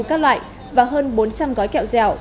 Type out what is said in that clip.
các loại và hơn bốn trăm linh gói kẹo dẻo